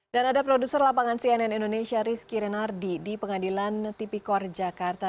dan ada produser lapangan cnn indonesia rizky renardi di pengadilan tipikor jakarta